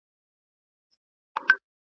سل ځله مي وایستل توبه له لېونتوب څخه .